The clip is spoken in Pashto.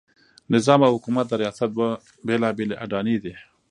نظام او حکومت د ریاست دوه بېلابېلې اډانې دي.